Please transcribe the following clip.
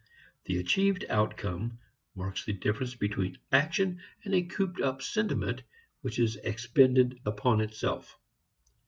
The achieved outcome marks the difference between action and a cooped up sentiment which is expended upon itself.